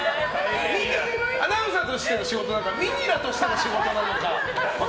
アナウンサーとしての仕事なのかミニラとしての仕事なのか